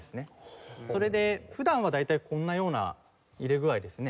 それで普段は大体こんなような入れ具合ですね。